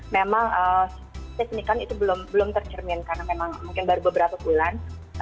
memang signifikan itu belum tercermin karena memang mungkin baru beberapa bulan